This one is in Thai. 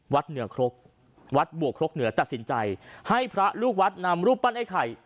เหนือครกวัดบวกครกเหนือตัดสินใจให้พระลูกวัดนำรูปปั้นไอ้ไข่